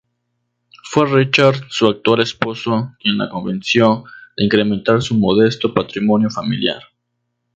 Fue Richard, su actual esposo, quien la convenció de incrementar su modesto patrimonio familiar.